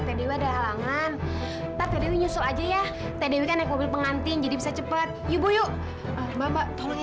terdapat halangan tapi itu nyusul aja ya tdw kan ekor pengantin jadi bisa cepat ibu yuk mbak tolong